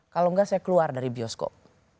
kalau enggak saya keluar dari bioskop